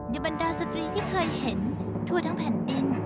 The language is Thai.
บรรดาสตรีที่เคยเห็นทั่วทั้งแผ่นดิน